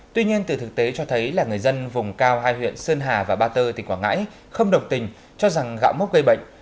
tuy nhiên từ thực tế cho thấy là người dân vùng cao hai huyện sơn hà và ba tơ tỉnh quảng ngãi không đồng tình cho rằng gạo mốc gây bệnh